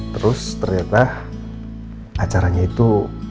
terus ternyata acaranya itu